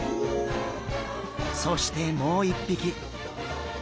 そしてもう一匹。